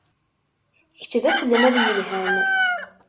Kečč d aselmad yelhan.